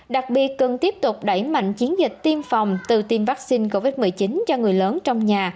đặc biệt cần tiếp tục đẩy mạnh chiến dịch tiêm phòng từ tiêm vaccine covid một mươi chín cho người lớn trong nhà